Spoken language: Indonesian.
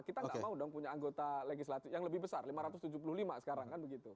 kita nggak mau dong punya anggota legislatif yang lebih besar lima ratus tujuh puluh lima sekarang kan begitu